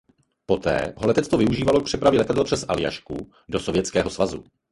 Poté ho letectvo využívalo k přepravě letadel přes Aljašku do Sovětského svazu.